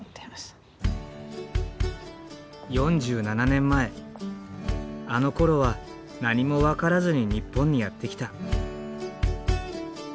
４７年前あのころは何も分からずに日本にやって来た。